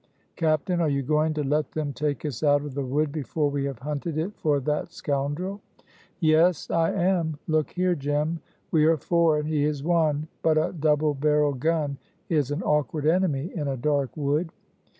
"Captain! are you going to let them take us out of the wood before we have hunted it for that scoundrel?" "Yes, I am. Look here, Jem, we are four, and he is one, but a double barreled gun is an awkward enemy in a dark wood.